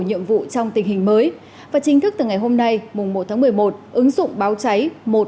nhiệm vụ trong tình hình mới và chính thức từ ngày hôm nay mùng một tháng một mươi một ứng dụng báo cháy một